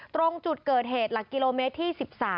ตรงจุดเกิดเหตุหลักกิโลเมตรที่๑๓